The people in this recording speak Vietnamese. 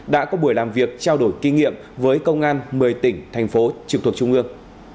đã có buổi làm việc trao đổi kinh nghiệm với công an một mươi tỉnh thành phố trực thuộc trung ương